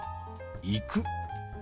「行く」。